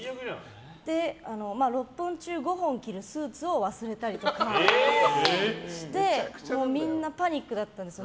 ６本中６本着るスーツを忘れたりとかしてみんなパニックだったんですよ。